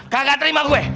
kakak terima gue